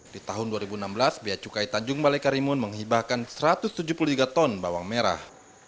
di tahun dua ribu enam belas bia cukai tanjung malekarimun menghibahkan satu ratus tujuh puluh tiga ton bawang merah